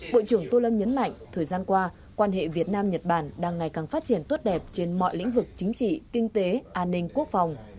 bộ trưởng tô lâm nhấn mạnh thời gian qua quan hệ việt nam nhật bản đang ngày càng phát triển tốt đẹp trên mọi lĩnh vực chính trị kinh tế an ninh quốc phòng